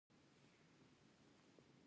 د مور او پلار پوښتنه هر ورځ سهار وختي وکړئ.